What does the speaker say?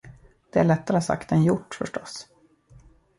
Det är lättare sagt än gjort, förstås.